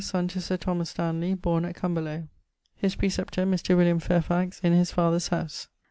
son to Sir Thomas Stanley, born at Cumberlow.... His praeceptor, Mr. William Fairfax, in his father's howse.